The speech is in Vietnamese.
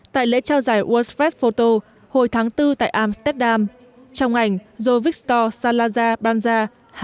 tại lễ trao giải world s first photo hồi tháng bốn tại amsterdam trong ảnh jovixtor salazar banzar